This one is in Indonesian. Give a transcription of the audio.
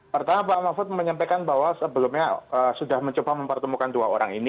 pertama pak mahfud menyampaikan bahwa sebelumnya sudah mencoba mempertemukan dua orang ini